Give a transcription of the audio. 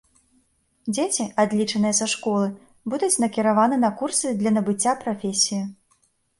Дзеці, адлічаныя са школы, будуць накіраваны на курсы для набыцця прафесіі.